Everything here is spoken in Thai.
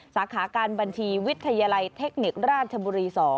สาขาการบัญชีวิทยาลัยเทคนิคราชบุรี๒